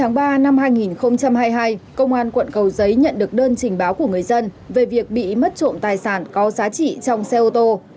ngày hai mươi tháng ba năm hai nghìn hai mươi hai công an quận cầu giấy nhận được đơn trình báo của người dân về việc bị mất trộm tài sản có giá trị trong xe ô tô